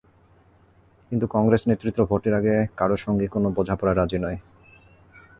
কিন্তু কংগ্রেস নেতৃত্ব ভোটের আগে কারও সঙ্গেই কোনো বোঝাপড়ায় রাজি নয়।